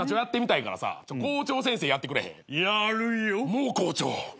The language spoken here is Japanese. もう校長。